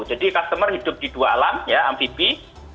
jadi customer hidup di dua alam ya amphibia